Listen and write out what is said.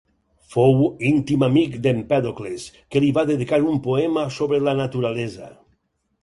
Fou íntim amic d'Empèdocles que li va dedicar un poema sobre la naturalesa.